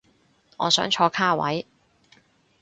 我想坐卡位